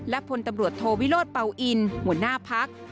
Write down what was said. และพลตำรวจโทวิโรธเป่าอินหัวหน้าพัก